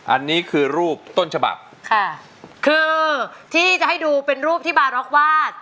อันนี้คือรูปต้นฉบับค่ะคือที่จะให้ดูเป็นรูปที่บาร็อกวาด